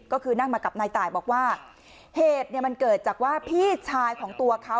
ก็คือนั่งมากับนายตายบอกว่าเหตุเนี่ยมันเกิดจากว่าพี่ชายของตัวเขา